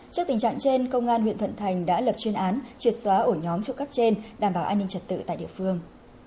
trước tình trạng trên công an huyện thuận thành đã lập chuyên án triệt xóa ổ nhóm trộm cắp trên đảm bảo an ninh trật tự tại địa phương